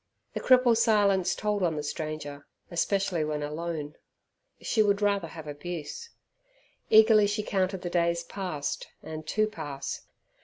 The cripple's silence told on the stranger, especially when alone. She would rather have abuse. Eagerly she counted the days past and to pass.